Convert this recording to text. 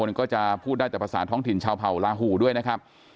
มันก็จะพูดได้แต่ภาษาท้องถิ่นชาวเผ่าลาหูด้วยนะครับ